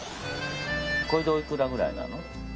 これでおいくらぐらいなの？